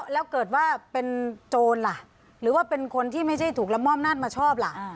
แล้วเกิดว่าเป็นโจรล่ะหรือว่าเป็นคนที่ไม่ใช่ถูกละม่อมหน้ามาชอบล่ะ